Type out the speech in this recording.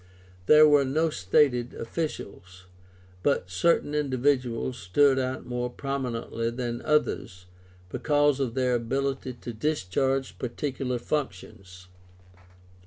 There were no stated officials, but certain individuals stood out more prominently than others because of their ability to discharge particular functions.